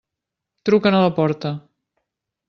Truquen a la porta.